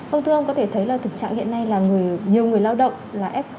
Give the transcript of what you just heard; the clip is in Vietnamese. vâng thưa ông có thể thấy là thực trạng hiện nay là nhiều người lao động là f